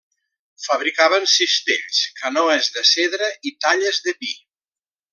Fabricaven cistells, canoes de cedre i talles de pi.